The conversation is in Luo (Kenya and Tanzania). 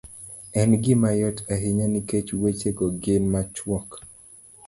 En gima yot ahinya nikech weche go gin machuok.